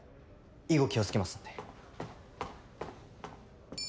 以後気を付けますんで。